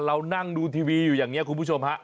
เรานั่งดูทีวีอยู่อย่างนี้คุณผู้ชมฮะ